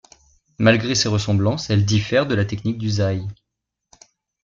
Malgré ses ressemblances, elle diffère de la technique du zaï.